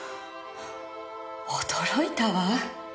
驚いたわ。